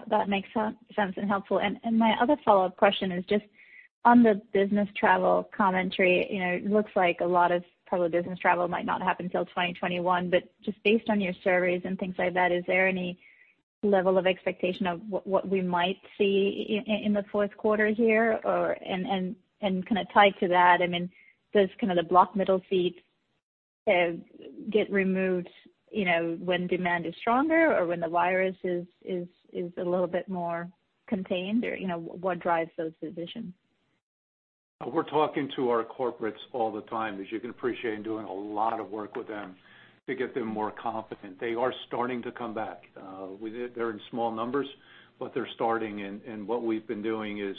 That makes sense and helpful. My other follow-up question is just on the business travel commentary. It looks like a lot of public business travel might not happen till 2021, but just based on your surveys and things like that, is there any level of expectation of what we might see in the fourth quarter here? Tied to that, does the block middle seats get removed when demand is stronger or when the virus is a little bit more contained? What drives those decisions? We're talking to our corporates all the time, as you can appreciate, doing a lot of work with them to get them more confident. They are starting to come back. They're in small numbers, but they're starting, what we've been doing is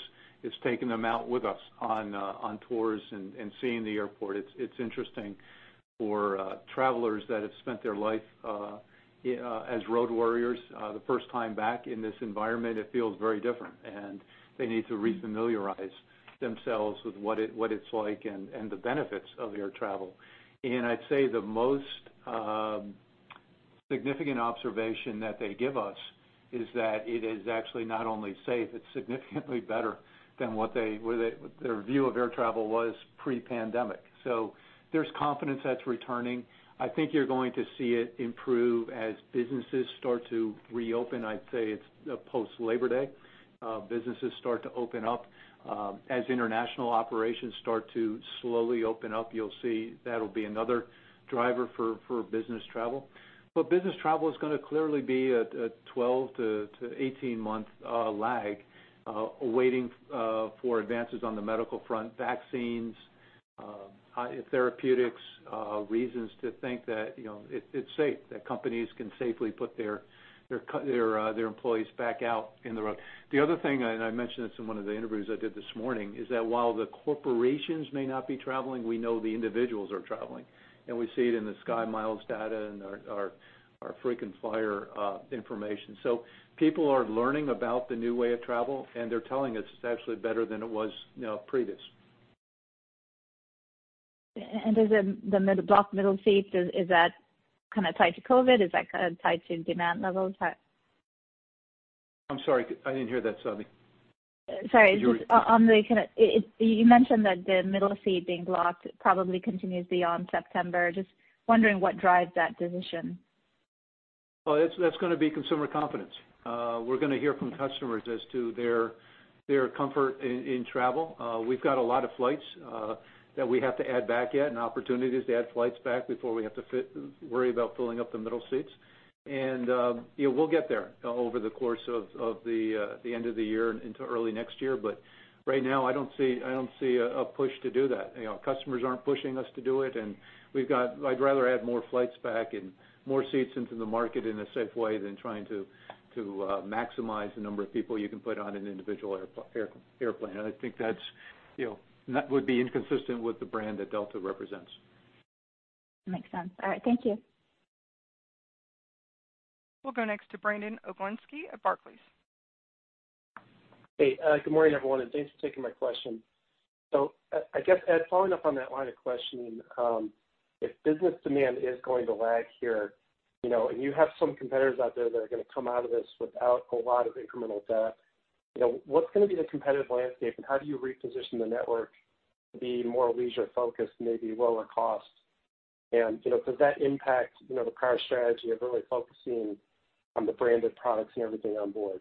taking them out with us on tours and seeing the airport. It's interesting for travelers that have spent their life as road warriors, the first time back in this environment, it feels very different, they need to refamiliarize themselves with what it's like and the benefits of air travel. I'd say the most significant observation that they give us is that it is actually not only safe, it's significantly better than what their view of air travel was pre-pandemic. There's confidence that's returning. I think you're going to see it improve as businesses start to reopen. I'd say it's post-Labor Day. Businesses start to open up. International operations start to slowly open up, you'll see that'll be another driver for business travel. Business travel is going to clearly be a 12 to 18-month lag waiting for advances on the medical front, vaccines, therapeutics, reasons to think that it's safe, that companies can safely put their employees back out in the road. The other thing, I mentioned this in one of the interviews I did this morning, is that while the corporations may not be traveling, we know the individuals are traveling, we see it in the SkyMiles data and our frequent flyer information. People are learning about the new way of travel, they're telling us it's actually better than it was previous. Does the blocked middle seats, is that kind of tied to COVID? Is that kind of tied to demand levels? I'm sorry. I didn't hear that, Savi. Sorry. You mentioned that the middle seat being blocked probably continues beyond September. Just wondering what drives that decision. Well, that's going to be consumer confidence. We're going to hear from customers as to their comfort in travel. We've got a lot of flights that we have to add back yet and opportunities to add flights back before we have to worry about filling up the middle seats. We'll get there over the course of the end of the year and into early next year. Right now, I don't see a push to do that. Customers aren't pushing us to do it, and I'd rather add more flights back and more seats into the market in a safe way than trying to maximize the number of people you can put on an individual airplane. I think that would be inconsistent with the brand that Delta represents. Makes sense. All right. Thank you. We'll go next to Brandon Oglenski at Barclays. Hey, good morning, everyone, and thanks for taking my question. I guess, Ed, following up on that line of questioning, if business demand is going to lag here, and you have some competitors out there that are going to come out of this without a lot of incremental debt, what's going to be the competitive landscape, and how do you reposition the network to be more leisure-focused, maybe lower cost? Does that impact the current strategy of really focusing on the branded products and everything on board?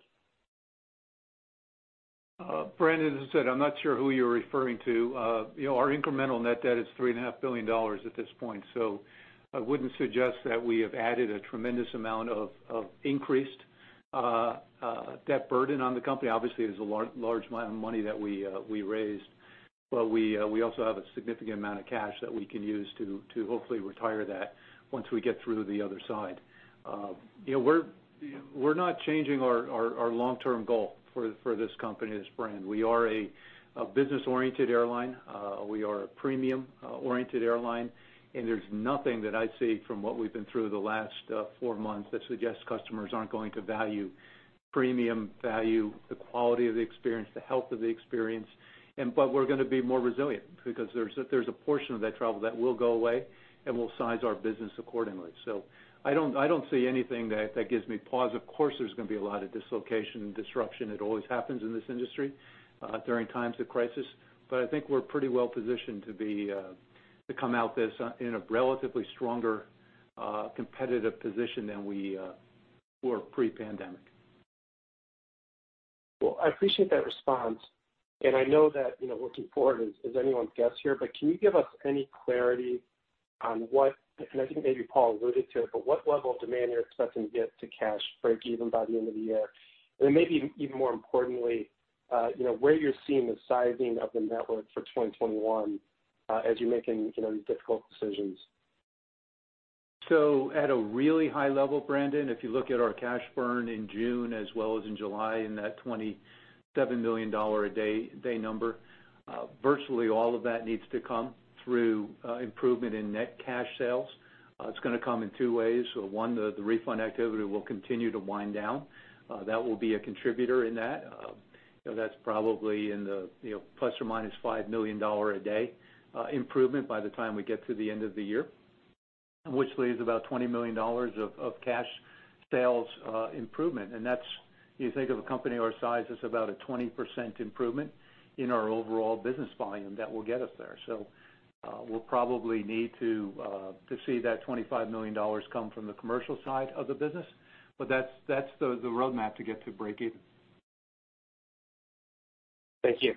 Brandon, as I said, I'm not sure who you're referring to. Our incremental net debt is $3.5 billion at this point. I wouldn't suggest that we have added a tremendous amount of increased debt burden on the company. Obviously, there's a large amount of money that we raised, but we also have a significant amount of cash that we can use to hopefully retire that once we get through to the other side. We're not changing our long-term goal for this company, this brand. We are a business-oriented airline. We are a premium-oriented airline, and there's nothing that I see from what we've been through the last four months that suggests customers aren't going to value premium, value the quality of the experience, the health of the experience. We're going to be more resilient because there's a portion of that travel that will go away, and we'll size our business accordingly. I don't see anything that gives me pause. Of course, there's going to be a lot of dislocation and disruption. It always happens in this industry during times of crisis. I think we're pretty well-positioned to come out this in a relatively stronger competitive position than we were pre-pandemic. Well, I appreciate that response, and I know that looking forward is anyone's guess here, but can you give us any clarity on what, and I think maybe Paul alluded to it, but what level of demand you're expecting to get to cash breakeven by the end of the year? Then maybe even more importantly where you're seeing the sizing of the network for 2021 as you're making these difficult decisions? At a really high level, Brandon, if you look at our cash burn in June as well as in July in that $27 million a day number, virtually all of that needs to come through improvement in net cash sales. It's going to come in two ways. One, the refund activity will continue to wind down. That will be a contributor in that. That's probably in the ±$5 million a day improvement by the time we get to the end of the year, which leaves about $20 million of cash sales improvement. That's, you think of a company our size, that's about a 20% improvement in our overall business volume that will get us there. We'll probably need to see that $25 million come from the commercial side of the business. That's the roadmap to get to breakeven. Thank you.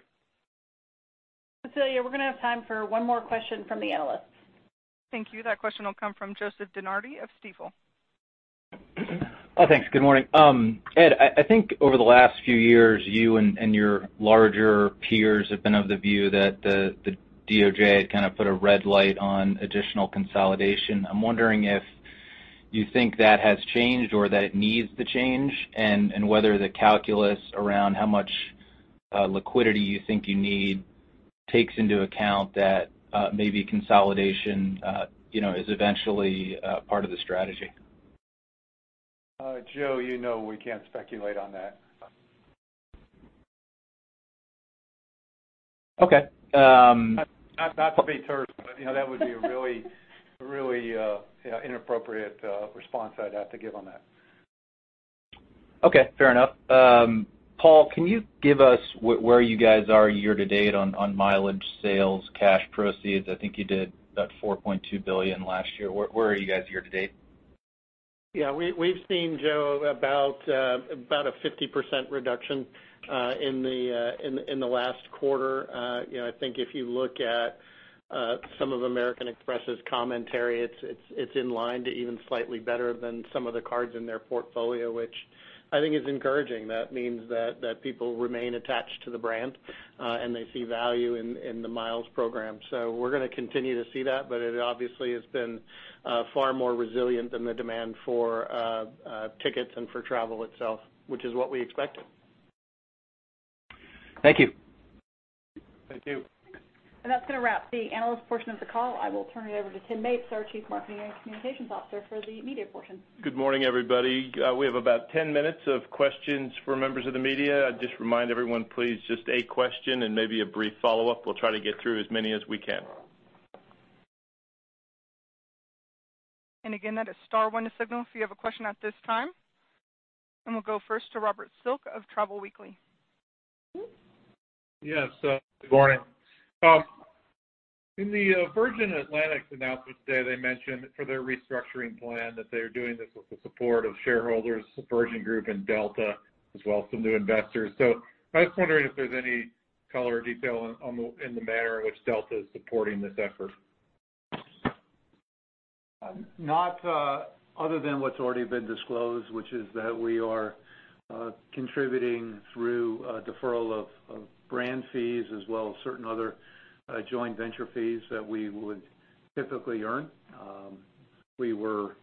Cecilia, we're going to have time for one more question from the analysts. Thank you. That question will come from Joseph DeNardi of Stifel. Thanks. Good morning. Ed, I think over the last few years, you and your larger peers have been of the view that the DOJ had kind of put a red light on additional consolidation. I'm wondering if you think that has changed or that it needs to change, and whether the calculus around how much liquidity you think you need takes into account that maybe consolidation is eventually part of the strategy. Joe, you know we can't speculate on that. Okay. Not to be terse, but that would be a really inappropriate response I'd have to give on that. Okay, fair enough. Paul, can you give us where you guys are year to date on mileage sales, cash proceeds? I think you did about $4.2 billion last year. Where are you guys year to date? We've seen, Joe, about a 50% reduction in the last quarter. I think if you look at some of American Express's commentary, it's in line to even slightly better than some of the cards in their portfolio, which I think is encouraging. That means that people remain attached to the brand, and they see value in the SkyMiles program. We're going to continue to see that, but it obviously has been far more resilient than the demand for tickets and for travel itself, which is what we expected. Thank you. Thank you. That's going to wrap the analyst portion of the call. I will turn it over to Tim Mapes, our Chief Marketing and Communications Officer, for the media portion. Good morning, everybody. We have about 10 minutes of questions for members of the media. I'd just remind everyone, please, just a question and maybe a brief follow-up. We'll try to get through as many as we can. Again, that is star one to signal if you have a question at this time. We'll go first to Robert Silk of Travel Weekly. Yes. Good morning. In the Virgin Atlantic announcement today, they mentioned for their restructuring plan that they are doing this with the support of shareholders, Virgin Group and Delta, as well as some new investors. I was wondering if there's any color or detail in the manner in which Delta is supporting this effort. Not other than what's already been disclosed, which is that we are contributing through a deferral of brand fees as well as certain other joint venture fees that we would typically earn. We were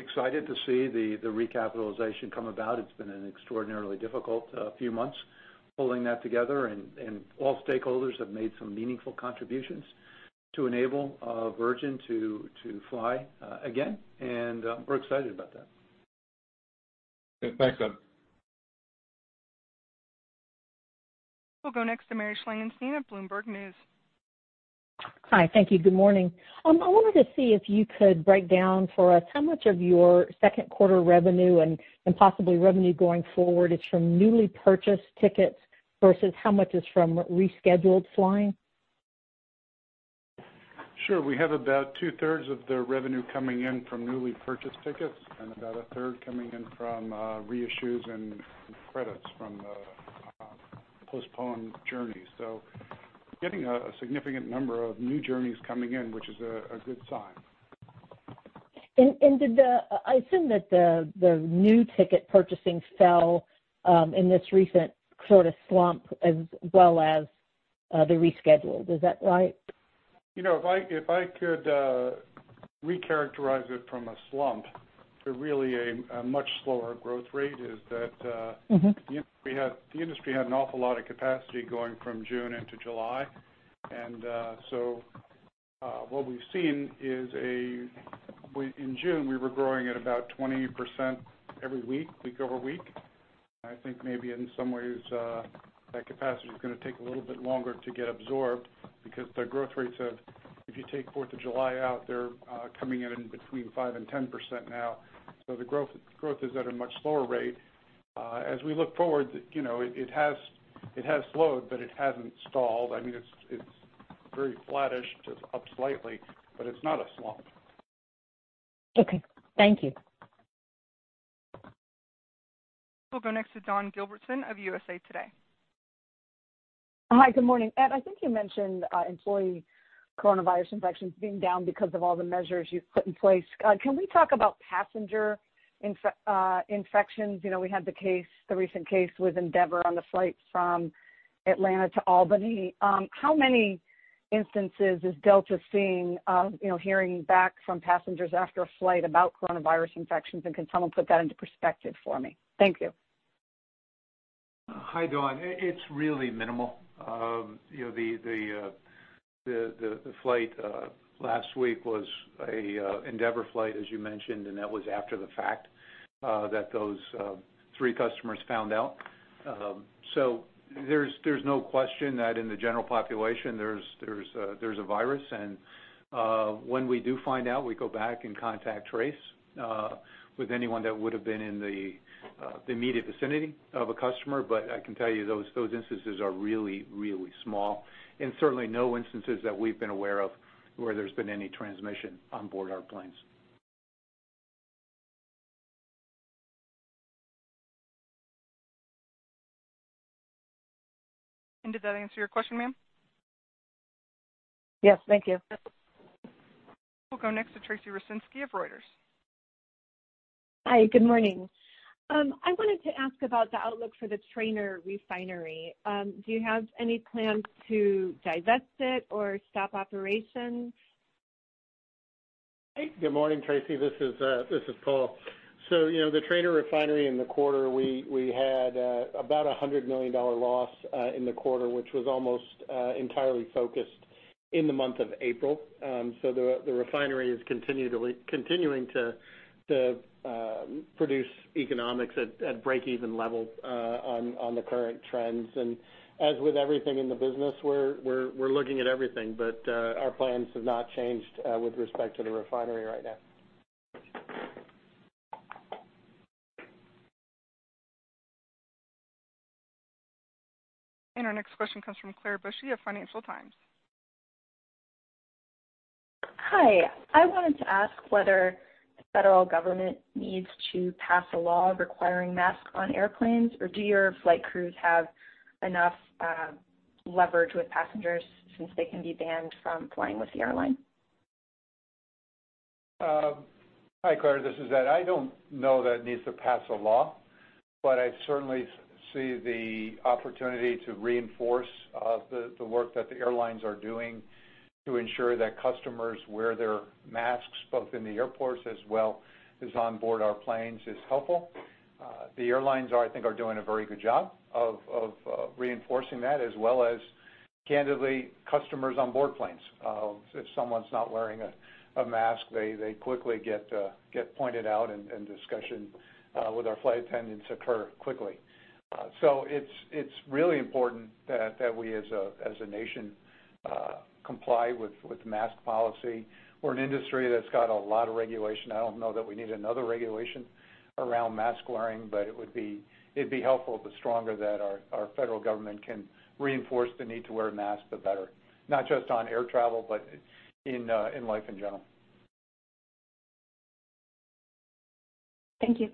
excited to see the recapitalization come about. It's been an extraordinarily difficult few months pulling that together, and all stakeholders have made some meaningful contributions to enable Virgin to fly again, and we're excited about that. Okay. Thanks, Ed. We'll go next to Mary Schlangenstein of Bloomberg News. Hi. Thank you. Good morning. I wanted to see if you could break down for us how much of your second quarter revenue and possibly revenue going forward is from newly purchased tickets versus how much is from rescheduled flying. Sure. We have about two-thirds of the revenue coming in from newly purchased tickets and about a third coming in from reissues and credits from postponed journeys. Getting a significant number of new journeys coming in, which is a good sign. I assume that the new ticket purchasing fell in this recent sort of slump as well as the rescheduled. Is that right? If I could recharacterize it from a slump to really a much slower growth rate. The industry had an awful lot of capacity going from June into July. What we've seen is in June, we were growing at about 20% every week over week. I think maybe in some ways, that capacity is going to take a little bit longer to get absorbed because the growth rates have, if you take Fourth of July out, they're coming in between 5% and 10% now. The growth is at a much slower rate. As we look forward, it has slowed, but it hasn't stalled. It's very flattish, just up slightly, but it's not a slump. Okay. Thank you. We'll go next to Dawn Gilbertson of USA Today. Hi, good morning. Ed, I think you mentioned employee coronavirus infections being down because of all the measures you've put in place. Can we talk about passenger infections? We had the recent case with Endeavor on the flight from Atlanta to Albany. How many instances is Delta seeing, hearing back from passengers after a flight about coronavirus infections, and can someone put that into perspective for me? Thank you. Hi, Dawn. It's really minimal. The flight last week was a Endeavor flight, as you mentioned. That was after the fact that those three customers found out. There's no question that in the general population, there's a virus, and when we do find out, we go back and contact trace with anyone that would have been in the immediate vicinity of a customer. I can tell you those instances are really, really small, and certainly no instances that we've been aware of where there's been any transmission on board our planes. Did that answer your question, ma'am? Yes. Thank you. We'll go next to Tracy Rucinski of Reuters. Hi. Good morning. I wanted to ask about the outlook for the Trainer Refinery. Do you have any plans to divest it or stop operations? Good morning, Tracy. This is Paul. The Trainer Refinery in the quarter, we had about $100 million loss in the quarter, which was almost entirely focused in the month of April. The refinery is continuing to produce economics at breakeven level on the current trends. As with everything in the business, we're looking at everything, but our plans have not changed with respect to the refinery right now. Our next question comes from Claire Bushey of Financial Times. Hi. I wanted to ask whether the federal government needs to pass a law requiring masks on airplanes, or do your flight crews have enough leverage with passengers since they can be banned from flying with the airline? Hi, Claire. This is Ed. I don't know that it needs to pass a law, but I certainly see the opportunity to reinforce the work that the airlines are doing to ensure that customers wear their masks, both in the airports as well as on board our planes, is helpful. The airlines, I think, are doing a very good job of reinforcing that, as well as, candidly, customers on board planes. If someone's not wearing a mask, they quickly get pointed out, and discussion with our flight attendants occur quickly. It's really important that we as a nation comply with mask policy. We're an industry that's got a lot of regulation. I don't know that we need another regulation around mask-wearing, but it'd be helpful. The stronger that our federal government can reinforce the need to wear a mask, the better, not just on air travel, but in life in general. Thank you.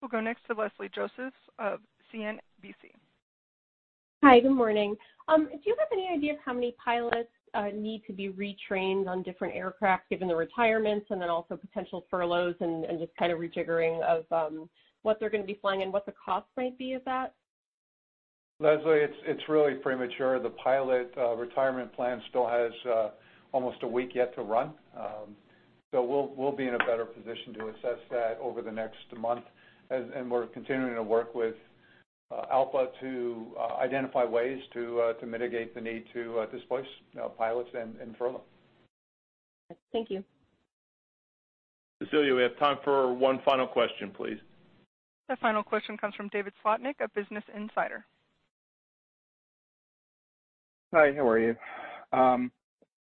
We'll go next to Leslie Josephs of CNBC. Hi. Good morning. Do you have any idea of how many pilots need to be retrained on different aircraft, given the retirements and then also potential furloughs and just kind of rejiggering of what they're going to be flying and what the cost might be of that? Leslie, it's really premature. The pilot retirement plan still has almost a week yet to run. We'll be in a better position to assess that over the next month, and we're continuing to work with ALPA to identify ways to mitigate the need to displace pilots and furlough. Thank you. Cecilia, we have time for one final question, please. The final question comes from David Slotnick of Business Insider. Hi. How are you? I'm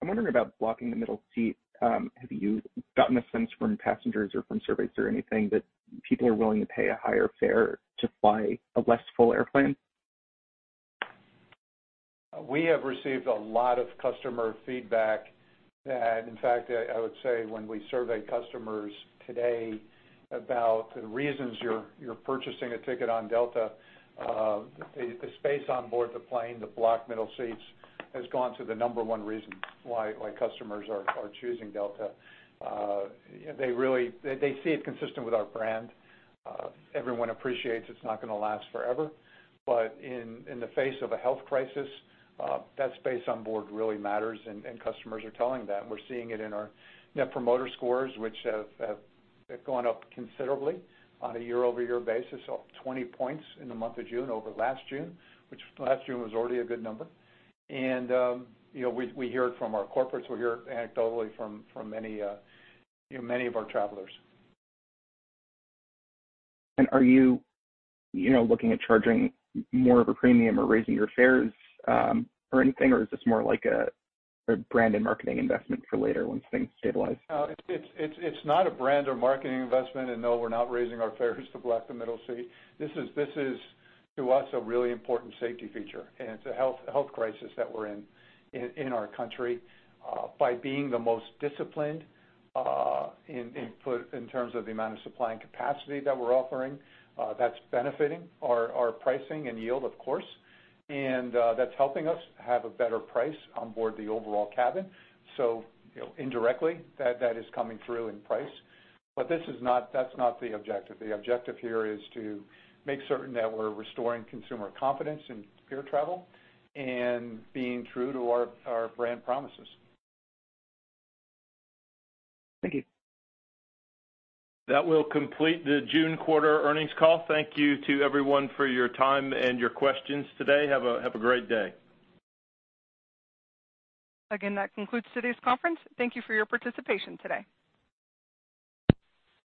wondering about blocking the middle seat. Have you gotten a sense from passengers or from surveys or anything that people are willing to pay a higher fare to fly a less full airplane? We have received a lot of customer feedback that, in fact, I would say when we survey customers today about the reasons you're purchasing a ticket on Delta, the space on board the plane, the blocked middle seats, has gone to the number 1 reason why customers are choosing Delta. They see it consistent with our brand. Everyone appreciates it's not going to last forever, but in the face of a health crisis, that space on board really matters, and customers are telling that. We're seeing it in our Net Promoter Score, which have gone up considerably on a year-over-year basis, up 20 points in the month of June over last June, which last June was already a good number. We hear it from our corporates. We hear anecdotally from many of our travelers. Are you looking at charging more of a premium or raising your fares or anything, or is this more like a brand and marketing investment for later once things stabilize? It's not a brand or marketing investment. No, we're not raising our fares to block the middle seat. This is, to us, a really important safety feature, and it's a health crisis that we're in our country. By being the most disciplined in terms of the amount of supply and capacity that we're offering, that's benefiting our pricing and yield, of course, and that's helping us have a better price on board the overall cabin. Indirectly, that is coming through in price. That's not the objective. The objective here is to make certain that we're restoring consumer confidence in air travel and being true to our brand promises. Thank you. That will complete the June quarter earnings call. Thank you to everyone for your time and your questions today. Have a great day. That concludes today's conference. Thank you for your participation today.